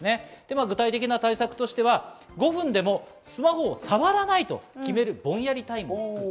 具体的な対策としては５分でもスマホを触らないと決める、ぼんやりタイムです。